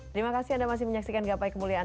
terima kasih anda masih menyaksikan gapai kemuliaan